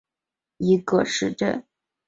布林库姆是德国下萨克森州的一个市镇。